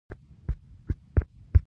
د اسلامي بانکدارۍ نشتون ستونزه ده.